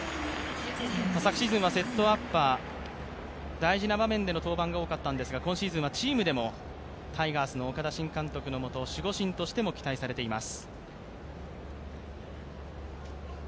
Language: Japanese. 昨シーズンはセットアッパー、大事な場面での登板が多かったんですが、今シーズンはチームでもタイガースの岡田新監督のもと、守護神としても期待されています。